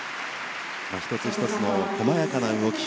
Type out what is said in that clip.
１つ１つの細やかな動き。